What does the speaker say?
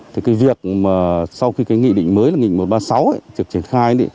thì cái việc mà sau khi cái nghị định mới là nghị một trăm ba mươi sáu ấy được triển khai